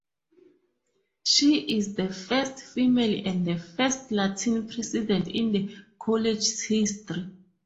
She is the first female and first Latina president in the college’s history.